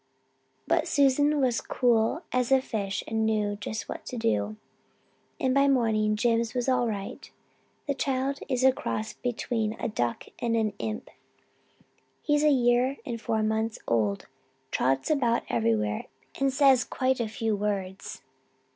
But Susan was cool as a fish and knew just what to do, and by morning Jims was all right. That child is a cross between a duck and an imp. He's a year and four months old, trots about everywhere, and says quite a few words.